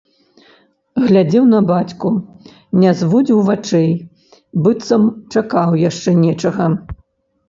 Глядзеў на бацьку, не зводзіў вачэй, быццам чакаў яшчэ нечага.